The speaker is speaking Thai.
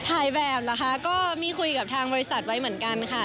ถ่ายแบบเหรอคะก็มีคุยกับทางบริษัทไว้เหมือนกันค่ะ